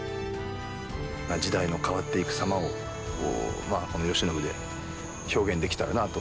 時代の変わっていく様をこの慶喜で表現できたらなぁと。